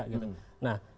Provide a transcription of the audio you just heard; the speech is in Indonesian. nah ketika media sosial